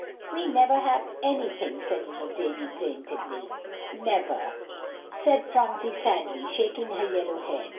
"We never have anything," said little Davie plaintively. "Never," said Phronsie sadly, shaking her yellow head.